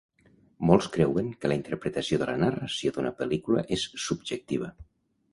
Molts creuen que la interpretació de la narració d'una pel·lícula és subjectiva.